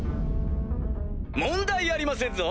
問題ありませんぞ！